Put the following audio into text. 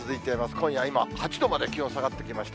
今夜、今、８度まで気温下がってきました。